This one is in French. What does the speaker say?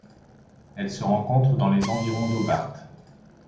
Elle se rencontre dans les environs d'Hobart.